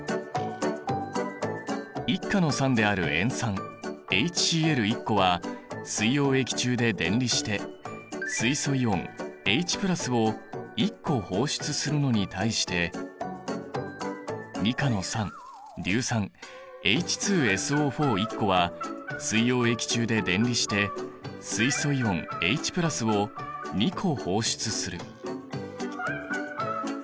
１価の酸である塩酸ＨＣｌ１個は水溶液中で電離して水素イオンＨを１個放出するのに対して２価の酸硫酸ＨＳＯ１個は水溶液中で電離して水素イオンＨを２個放出する。